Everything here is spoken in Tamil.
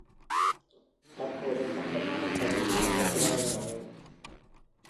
தற்போது கட்டுமானப்பணி நடைபெற்று வருகிறது.